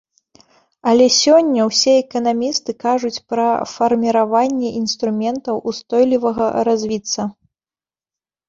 Але сёння ўсе эканамісты кажуць пра фарміраванне інструментаў устойлівага развіцца.